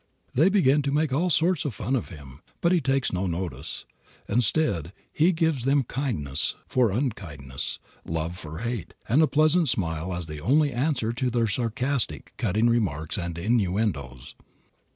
They begin to make all sorts of fun of him. But he takes no notice. Instead he gives them kindness for unkindness, love for hate, and a pleasant smile as the only answer to their sarcastic, cutting remarks and innuendoes.